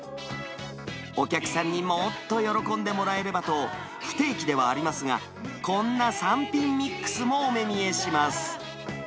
お客さんにもっと喜んでもらえばと、不定期ではありますが、こんな３品ミックスもお目見えします。